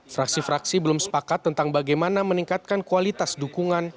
fraksi fraksi belum sepakat tentang bagaimana meningkatkan kualitas dukungan